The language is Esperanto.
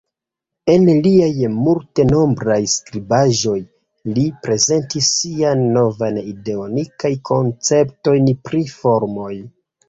En liaj multenombraj skribaĵoj, li prezentis siajn novajn ideojn kaj konceptojn pri formoj.